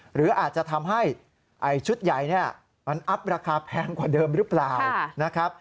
หรืออาจจะทำให้ชุดใหญ่เนี่ยมันอัพราคาแพงกว่าเดิมหรือเปล่านะครับ